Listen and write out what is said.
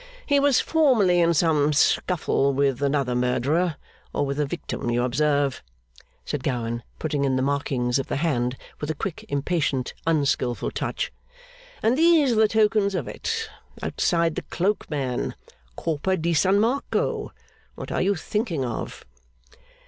'He was formerly in some scuffle with another murderer, or with a victim, you observe,' said Gowan, putting in the markings of the hand with a quick, impatient, unskilful touch, 'and these are the tokens of it. Outside the cloak, man! Corpo di San Marco, what are you thinking of?